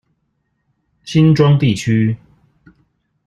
新莊地區